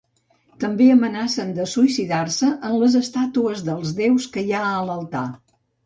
També amenacen de suïcidar-se en les estàtues dels déus que hi ha a l'altar.